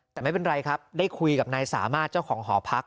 แต่ไม่เป็นไรครับได้คุยกับนายสามารถเจ้าของหอพัก